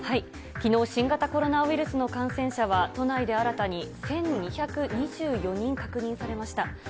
きのう、新型コロナウイルスの感染者は都内で新たに１２２４人確認されました。